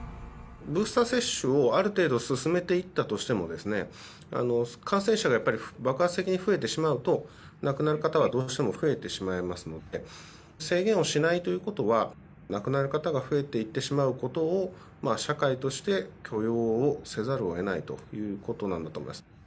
ブースター接種をある程度進めていったとしても、感染者がやっぱり爆発的に増えてしまうと、亡くなる方はどうしても増えてしまいますので、制限をしないということは、亡くなる方が増えていってしまうことを、社会として許容をせざるをえないということなんだと思います。